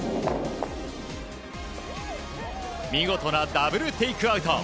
見事なダブルテイクアウト。